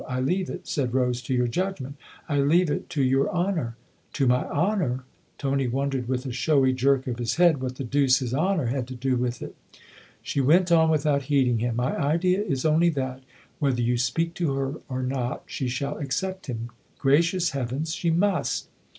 I leave it/' said Rose, "to your judgment I leave it to your honour." " To my honour ?" Tony wondered with a showy jerk of his head what the deuce his honour had to do with it. She went on without heeding him. " My idea is only that, whether you speak to her or not, she shall accept him. Gracious heavens, she must!